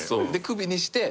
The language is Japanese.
首にして。